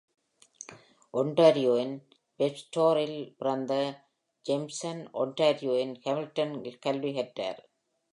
Ontario இன் Westover இல் பிறந்த Jamieson, Ontario இன் Hamilton இல் கல்வி கற்றார்.